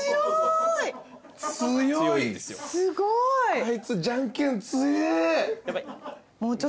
あいつじゃんけん強え。